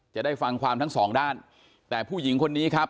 จะได้ฟังความทั้งสองด้านแต่ผู้หญิงคนนี้ครับ